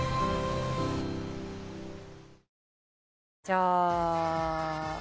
じゃあＣ。